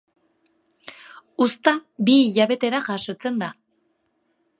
Uzta bi hilabetera jasotzen da.